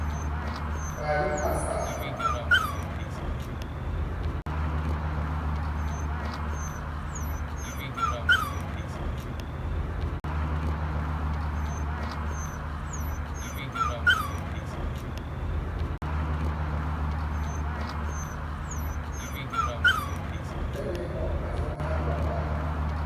และดึงออกมาค่อนข้างลำบาก